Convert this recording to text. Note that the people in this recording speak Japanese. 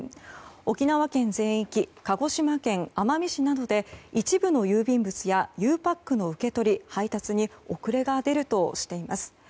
沖縄県全域鹿児島県奄美市などで一部の郵便物やゆうパックの受け取り・配達に遅れが出るとしています。